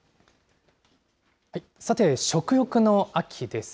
さて、食欲の秋です。